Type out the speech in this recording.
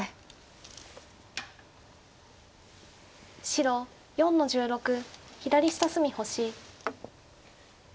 白４の十六左下隅星。